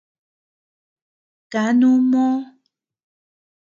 Kanuu moo.